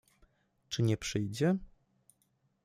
Czy nie przyjdzie?